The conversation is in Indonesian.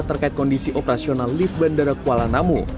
terkait kondisi operasional lift bandara kuala namu